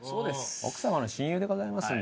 奥様の親友でございますんで。